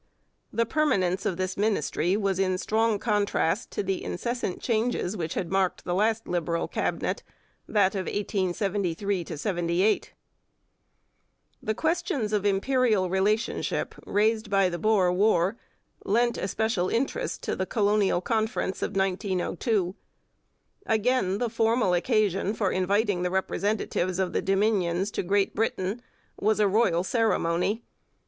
The permanence of this Ministry was in strong contrast to the incessant changes which had marked the last Liberal Cabinet, that of 1873 78. [Illustration: SIR ROBERT BORDEN From a photograph by Montminy, Quebec] The questions of imperial relationship raised by the Boer War lent especial interest to the Colonial Conference of 1902. Again the formal occasion for inviting the representatives of the Dominions to Great Britain was a royal ceremony.